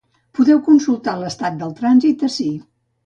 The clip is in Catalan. Podeu consultar l’estat del trànsit ací.